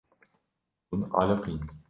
Hûn aliqîn.